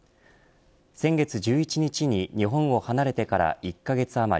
先月１１日に日本を離れてから１カ月あまり。